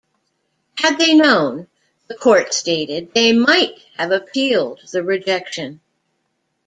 Had they known, the Court stated, they might have appealed the rejection.